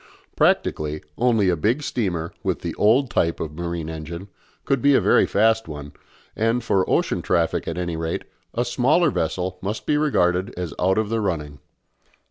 Practically, only a big steamer, with the old type of marine engine, could be a very fast one, and, for ocean traffic at any rate, a smaller vessel must be regarded as out of the running.